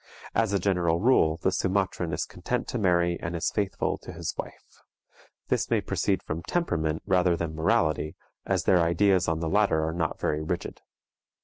As a general rule, the Sumatran is content to marry, and is faithful to his wife. This may proceed from temperament rather than morality, as their ideas on the latter are not very rigid.